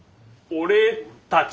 俺たち。